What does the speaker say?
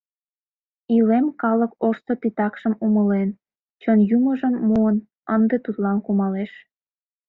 Илем калык ожсо титакшым умылен, чын юмыжым муын, ынде тудлан кумалеш.